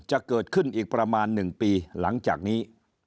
จะเกิดขึ้นอีกประมาณ๑ปีหลังจากนี้